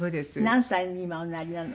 何歳に今おなりなの？